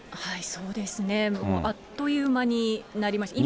そうですね、もうあっという間になりました。